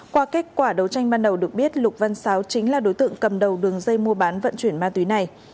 qua kết quả đấu tranh ban đầu được biết lục văn sáu chính là đối tượng cầm đầu đường dây mua bán vận chuyển ma túy này